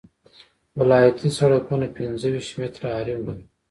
ولایتي سرکونه پنځه ویشت متره حریم لري